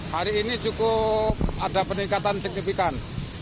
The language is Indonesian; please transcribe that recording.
hari ini cukup ada peningkatan signifikan